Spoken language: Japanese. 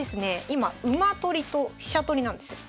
今馬取りと飛車取りなんですよ。